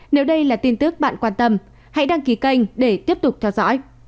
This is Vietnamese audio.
nếu đây là tin tức bạn quan tâm hãy đăng ký kênh để tiếp tục theo dõi